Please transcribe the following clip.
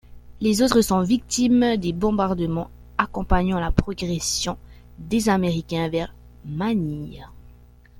Les autres sont victimes des bombardements accompagnant la progression des américains vers Manille.